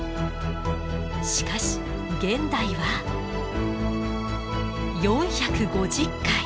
しかし現代は４５０回。